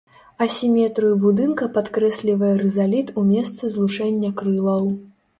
Асіметрыю будынка падкрэслівае рызаліт у месцы злучэння крылаў.